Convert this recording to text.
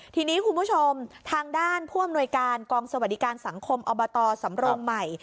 ทีนี้คุณผู้ชมทางด้านผู้อำนวยการกองสวัสดิการสังคมอบตสำรงใหม่